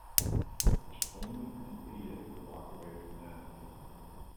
Only an idiot would walk away from that.